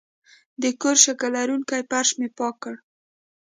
د کور شګه لرونکی فرش مې پاک کړ.